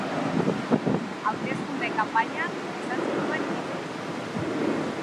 Hauteskunde kanpainan esan zituen hitzok.